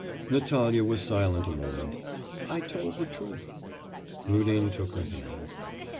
Natalya was silent a moment. 'I told the truth.' Rudin took her hand.